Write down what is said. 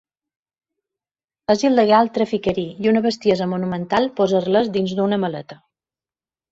És il·legal traficar-hi i una bestiesa monumental posar-les dins d'una maleta.